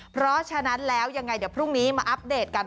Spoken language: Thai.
เพราะฉะนั้นแล้วยังไงเดี๋ยวพรุ่งนี้มาอัปเดตกัน